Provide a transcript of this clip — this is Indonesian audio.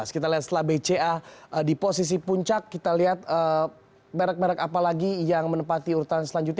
kita lihat setelah bca di posisi puncak kita lihat merek merek apa lagi yang menempati urutan selanjutnya